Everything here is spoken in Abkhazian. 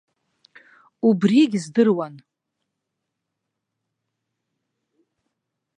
Убригь здыруан.